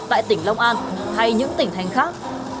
tại tỉnh long an hay những tỉnh thánh khác